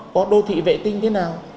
có đô thị vệ tinh thế nào